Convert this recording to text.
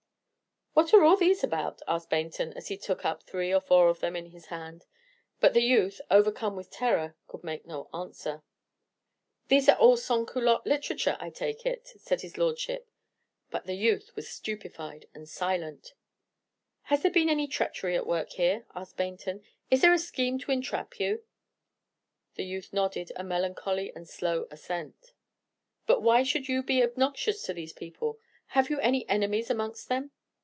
"What are all these about?" asked Baynton, as he took up three or four of them in his hand; but the youth, overcome with terror, could make no answer. "These are all sans culotte literature, I take it," said his Lordship; but the youth was stupefied and silent. "Has there been any treachery at work here?" asked Baynton. "Is there a scheme to entrap you?" The youth nodded a melancholy and slow assent. "But why should you be obnoxious to these people? Have you any enemies amongst them?"